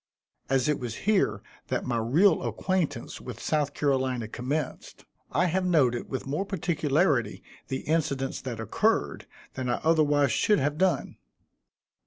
As it was here that my real acquaintance with South Carolina commenced, I have noted with more particularity the incidents that occurred, than I otherwise should have done.